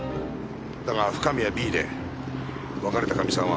だが深見はＢで別れたカミさんはＯだ。